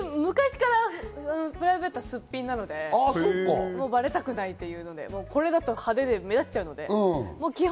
昔からプライベートは、スッピンなのでバレたくないというので、これだと派手で目立っちゃうので。